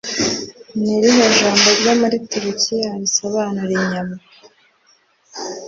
Ni irihe jambo ryo muri Turukiya risobanura inyama?